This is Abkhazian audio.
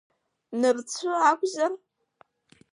Нырцәы акәзар?